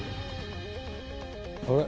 あれ？